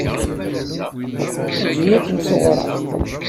Eǧǧ-iyi ad kem-ṣewwreɣ.